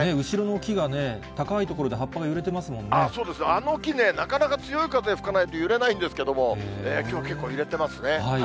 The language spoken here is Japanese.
後ろの木がね、高い所で葉っそうですね、あの木ね、なかなか強い風が吹かないと揺れないんですけれども、きょうは結構、揺れてますね。